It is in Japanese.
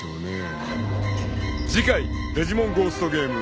［次回『デジモンゴーストゲーム』］